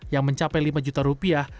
yang mencapai lima juta rupiah